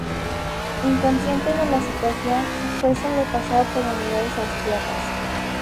Inconsciente de la situación, fue sobrepasado por unidades austriacas.